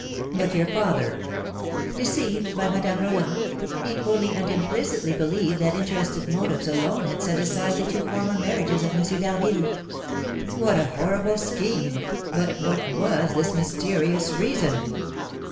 "But your father " "Deceived by Madame Roland, he fully and implicitly believed that interested motives alone had set aside the two former marriages of M. d'Harville." "What a horrible scheme! But what was this mysterious reason?"